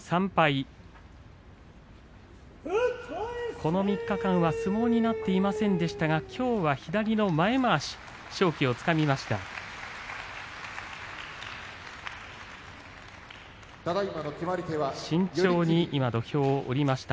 この３日間は相撲になっていませんでしたがきょうは左の前まわし勝機をつかみました。